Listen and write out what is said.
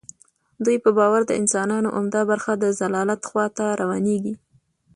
دوی په باور د انسانانو عمده برخه د ضلالت خوا ته روانیږي.